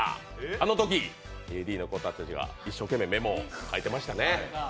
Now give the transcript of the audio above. あのとき、ＡＤの子たちが一生懸命メモを書いてましたね。